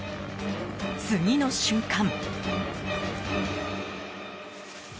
次の瞬間。